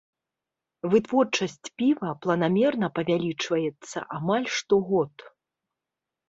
Вытворчасць піва планамерна павялічваецца амаль штогод.